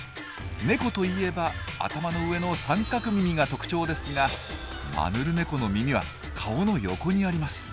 ネコといえば頭の上の三角耳が特徴ですがマヌルネコの耳は顔の横にあります。